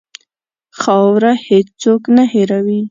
خاوره هېڅ څوک نه هېروي.